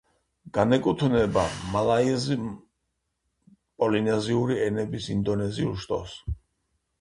განეკუთვნება მალაიურ-პოლინეზიური ენების ინდონეზიურ შტოს.